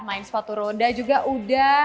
main sepatu roda juga udah